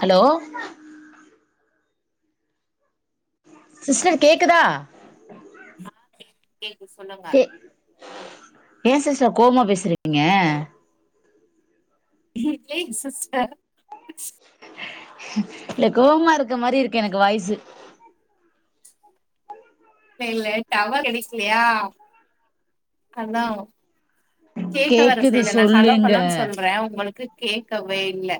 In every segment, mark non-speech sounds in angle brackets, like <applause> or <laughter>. Hello sister கேக்குதா கேக்கு சொல்லுங்க கே ஏ சிஸ்டர் கோவமா பேசுறீங்க எ ஏக் சிஸ்டர் அச் இல்ல கோவமா இருக்கு மாரி இருக்கு எனக்கு வாய்ஸ்சு இல்ல இல்ல டவர் கெடைக்கலையா அதான் கேக்க வேர கேக்குது செய்யல நா ஹலோ சொல்லுங்க ஹலோன்னு சொல்றேன் உங்களுக்கு கேக்கவே இல்ல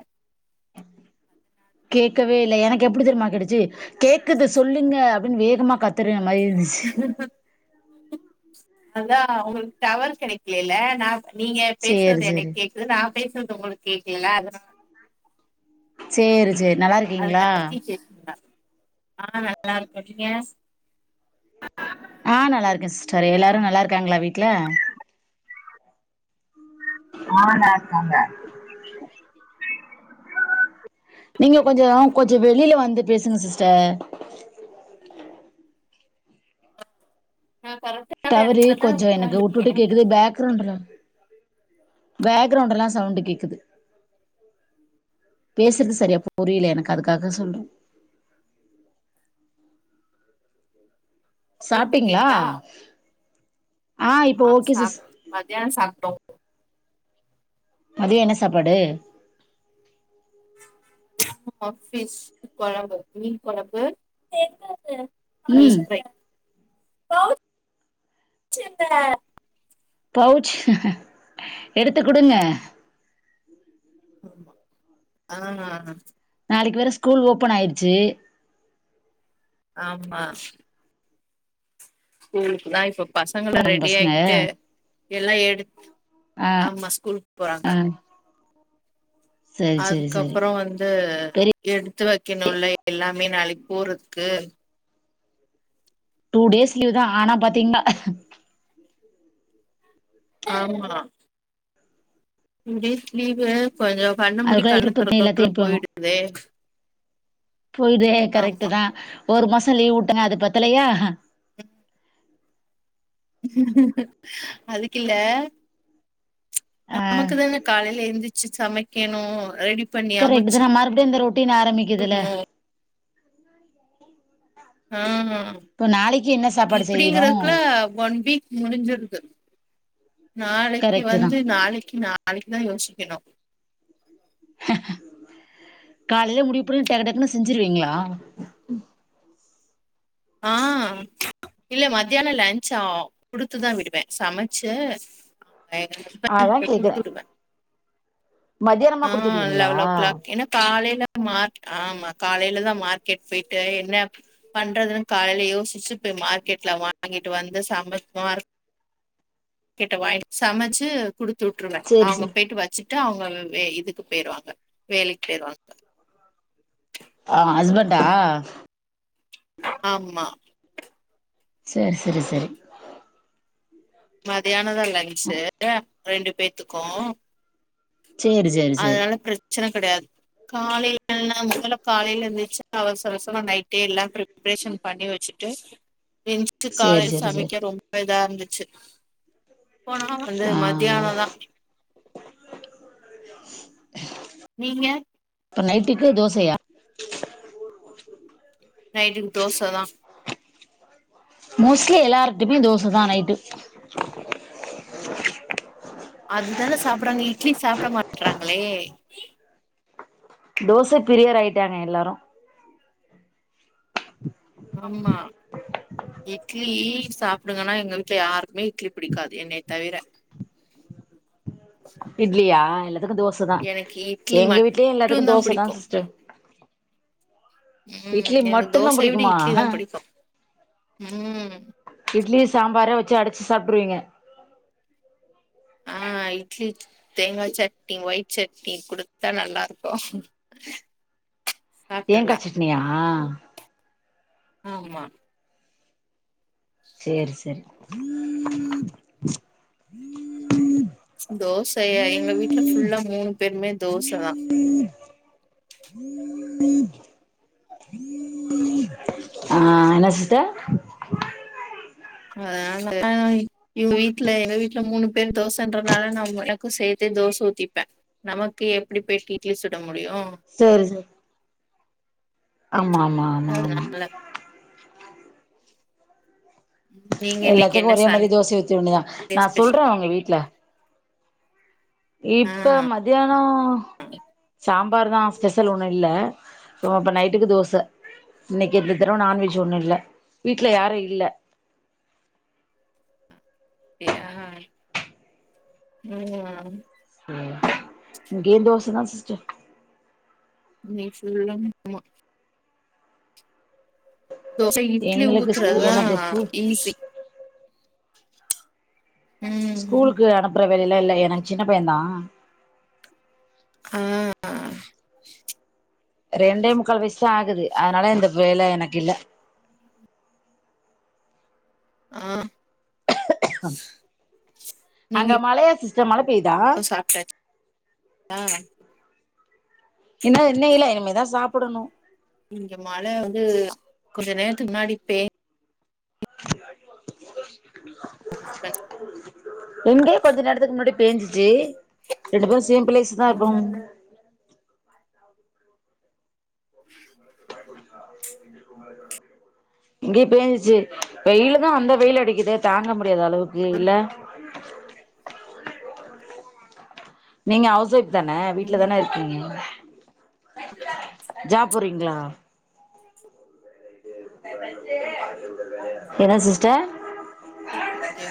கேக்கவே இல்ல எனக்கு எப்புடி தெரியுமா கேட்டுச்சு கேக்குது சொல்லுங்க அப்பிடின்னு வேகமா கத்துர மைஸ் அதா உங்களுக்கு டவர் கெடைக்கலல்ல நா நீங்க சேரி பேசுறது சேரி எனக்கு கேக்குது நா பேசுற உங்களுக்கு கேக்கல அதா சேரி சேர் அத நல்லாருக்கீங்களா பத்தி பேசுங்க ஆ நல்லாருகே நீங்க ஆ நல்லாருக்கே சிஸ்டர் எல்லாரு நல்லா இருக்காங்களா வீட்ல <unintelligible> நீங்க கொஞ்ச கொஞ்ச வெளில வந்து பேசுங்க சிஸ்டர் நா கரெக்டான டவரு எடத்துலதா கொஞ்ச எனக்கு உட்டு உக்காந்துருக்கே உட்டு கேக்குது பேக்ரவுண்ட்லா பேக்ரவுண்ட் எல்லா சவுண்ட் கேக்குது பேசுறது சரியா புரில எனக்கு அதுக்காக சொல்றே ஓகே இப்ப சாப்ட்டீங்களா கேக்குதா இப்போ ஆ ஓகே சிஸ் சாப் மத்தியான சாப்புட்டோம் மதிய என்ன சாப்பாடு பிஷ் கெழம்பு மீன் குழம்பு என்னது கௌச்சயா மீன் ம் ப்ரை பவுச் சுங்க பவுச் எடுத்து குடுங்க ஆமா ஆ நாளைக்கு வேற ஸ்கூல் ஓபன் ஆயிடுச்சு ஆமா ஸ்கூலுக்கு வா இப்ப பசங்கள அவங்க ரெடி பசங்க ஆக்கிட்டு எல்லா எடுத் ஆ ஆமா ஸ்கூலுக்கு போறாங்க ஆ சரி சரி சரி அதுக்கப்புற வந்து பெரிய எடுத்து வக்கெனுல்ல எல்லா மே நாளைக் போறதுக்கு டூ டேஸ் லீவ் தா ஆனா பாத்தீங்னா ஆமா இன்கேஸ் லீவு கொஞ்சோ கண்ண மூடி அதுக்குள்ள <unintelligible> கண்ண எல்லாத்தையு தொறக்கக்குள்ள எழுப்பிவுடனு போயிடுதே போயிடுதே ஆமா கரெக்ட்டுதா ஒரு மா சொ லீவ் வுட்டாங்க அது பத்தலயா அதுக்கில்ல ஆ நமக்குதான காலைல எந்திச்சு சமை க்கெனு ரெடி பண்ணி அமச்சு கரெக்ட்டுதான மறுப்டியு இந்த ரொ ட்டின் ஆரமிக்கிதுல வுட்ணு கா <inaudible> ஆ ஆ என்ன சாப்பாடு செய்யணு இப்டிங்குறதுக்குல்ல ஒன் வீக் முடுஞ்சுருது நாளைக்கு கரெக்ட்டு தா வந்து நாளைக்கு நாளைக்குதா யோசிக் கெனு காலைல முடிவு பண்ணி டக்கு டக்குனு செஞ்சிருவீங்ளா? ஆ இல்ல மத்தியான லன்ச்சு ஆ குடுத்துதா விடுவே சமச்சு அதா <unintelligible> கேக்குறே குடுத்துடுவே மத்தியானமா ஆ குடுத்து விடுவீங்களா லெவலோக்ளாக் என்ன காலைல மா ஆமா காலைலதா மார்க்கெட் போயிட்டு என்ன பண்றதுன் காலைல யோசுச்சு போய் மார்க்கெட்ல வாங்கிட்டு வந்து சமைப்போ கெட்ட வாங்கி சமச்சு குடுத்து வுட்ருங்க சேரி அவுங்க சேரி பேயிட்டு வச்சு ட்டு அவுங்க வே இதுக்கு போயிருவாங்க வேலைக் போயிருவாங்க டா ஆமா சேர் செரி செரி மதியானொதா லன்ச்சு ரெண்டு பேத்துக்கு சேரி சேரி சேரி சன கெடையாது காலைலனா மொதல காலைல எந்துர்ச்சு அவசர அவசரமா நைட்டே எல்லா பிரிப்ரேஷன் பண்ணி வச்சுட்டு என்ச்சு சேரி காலைல சேரி சேரி சமைக்க ரொம்ப இதா இருந்து ச்சு போனா வார் வந்து ஆ மத்தியானோ தான் <inaudible> நீங்க இப்ப நைட்டுக்கு தோசையா நைட்டுக்கு தோச தா மோஸ்ட்லி எல்லாரருட்டுமே தோசதா நைட்டு அதுதானே சாப்படுறாங்க இட்லி சாப்ட மாட்றாங்களே தோச பிரியர் ஆயிட்டாங்க எல்லாரு <inaudible> ஆமா இட்லி சாப்பிடுங்கன்னா எங்க வீட்ல யாரு மெய்ட்லி புடிக்காது என்னய தவிர <inaudible> இட்லியா இல்ல எனக் தோச தா எனக்கு இட்லி எங்க வீட்லயு மட்டு எல்லாத்துக்கு தோச தா பிடிக்கு சிஸ்டர் ம் இட்லி எனக்கு மட்டு்தா தோசைய விட புடிக்குமா இட்லி தா பிடிக்கு ம் இட்லி சாம்பாரா வச்சு அடச்சு சாப்ட்ருவீங்க ஆ இட்லி தேங்கா சட்னி ஒயிட் சட்னி குடுத்தா நல்லாருக்கு தேங்கா சாப்ட்றலா சட்னியா <inaudible> ஆமா செரி செரி தோசயா எங்க வீட்ல உள்ள மூணு பேருமே தோசதா ஆ என்ன சிஸ்டர் அ இவுங்க வீட்ல எங்க வீட்ல மூணு பெர் தோசன்றனால நா ஒழ க்கு சேர்த்தே தோச ஊத்திப்பே நமக்கு எப்டி பேட் இட்லி சுட முடியு சேரி சேரி ஆமா ஆமா ஆமா ஆமா அதனால நீங்க இன்னைக்கு எல்லாத்துக்கு என்ன ஒரே மாரி சண்டே தோச ஊத்திரவேண்டிதா நா ஸ்பெஷல் சொல்றே உங்க வீட்டுல ஆ இப்ப மதியானோ சாம்ப பார் தா ஸ்பெஷல் ஒண்ணு இல்ல இப்ப நைட்டுக்கு தோச இன்னைக்கு இந்நதரோ நான்வெஜ் ஒண்ணு இல்ல வீட்ல யாரு இல்ல ஏஹ் உஹம் கி தோச தோச தான் சிஸ்டர் நீ சொல்லும்மா தோச இட்லி எங்களுக்கு ஸ்கூ ஊத்துறதான் எனக்கு ஸ்கூல் ஈஸி ம் ஸூலுக்கு அனுப்புற வெளிலாம் இல்ல எனக்கு சின்ன பையன் தான் ஆஹ்ஹ ரெண்டே முக்கால் வயசு ஆகுது அதனால இந்த வேலை எனக்கு இல்ல ஆஹ் அங்க மலையா சிஸ டர் மால இப்ப சாப்பிட்டாச் <inaudible> என்ன என்னெல்ல இனிமதா சாப்பிடணு. இங்க மழை வந்து கொஞ்ச நேரத்து முன்னாடிப்பே ஹஸ்பண்ட் <inaudible> இங்கே கொஞ்ச நேரத்துக்கு முன்னாடி பேஞ்சி ரெண்டுப்பேரும் சேம் பிளேஸ்தா இருப்போம். ம் இங்கய பேஞ்சிச்சு வெயிலதா அந்த வெயில் அடிக்குது தாங்க மு தளவுக்கு இல்ல நீங்க அவுஸ் ஓய் தன ம் வீட்டுலத்தான இருக்கீங்க? ஜாப் பொறிங்களா? என்ன சிஸ்டர்? ஓகேக்கே.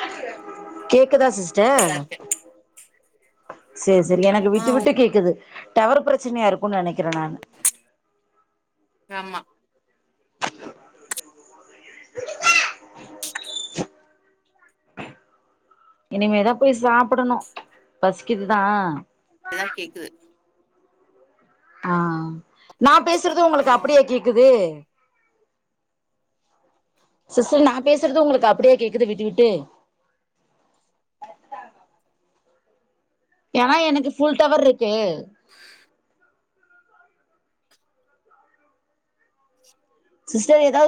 கே கேக்குதா சிஸ்டர்? நல்லா இருக்கே ஆ சேரி சேரி எனக்கு ஆ விட்டு விட்டு கேட்குது. டவர் பிரச்சனையா இருக்குன்னு நினைக்கிறேன் நானு. ஆமா. இனிமேதா போய் சாப்புடணு பசிக்குதுதா. ல்லா கேக்குது ஆ நாப் பேசுறது உங்களுக்கு ஆ அப்பிடியே கேக்குது சிஸ்டர் நா பேசுறது உங்களுக்கு அப்பிடியே கேக்குது விட்டு விட்டு ஏனா எனக்கு ஃபுல் டவர்ருக்கு <inaudible> சிஸ்டர் ஏதா